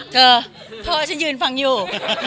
เธอเธอช่วยยืนฟังอยู่